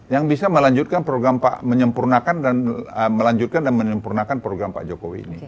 yang bisa melanjutkan program pak jokowi